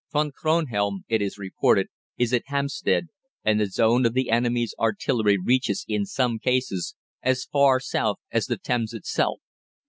Von Kronhelm, it is reported, is at Hampstead, and the zone of the enemy's artillery reaches, in some cases, as far south as the Thames itself.